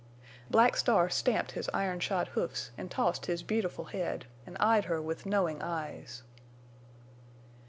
Black Star stamped his iron shod hoofs and tossed his beautiful head, and eyed her with knowing eyes.